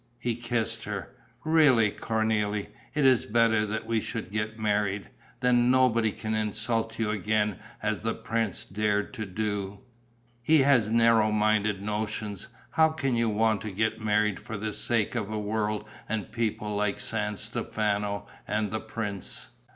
He kissed her: "Really, Cornélie, it is better that we should get married. Then nobody can insult you again as the prince dared to do." "He has narrow minded notions: how can you want to get married for the sake of a world and people like San Stefano and the prince?"